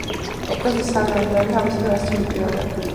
ეკლესია სამნავიანია და ამასთანავე ასიმეტრიულია.